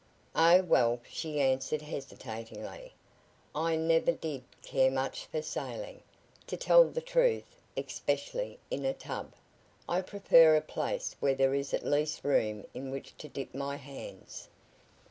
"Oh, well," she answered hesitatingly, "I never did care much for sailing, to tell the truth especially in a tub. I prefer a place where there is at least room in which to dip my hands."